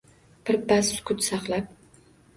Birpas sukut saqlab